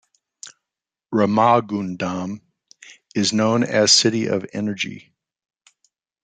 Ramagundam is known as city of Energy.